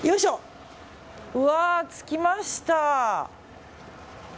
わあ、着きました。